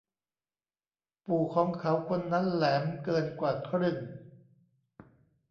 ปู่ของเขาคนนั้นแหลมเกินกว่าครึ่ง